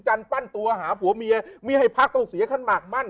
ปั้นตัวหาผัวเมียไม่ให้พักต้องเสียขั้นมากมั่น